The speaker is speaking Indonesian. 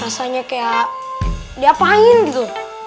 rasanya kayak diapain gitu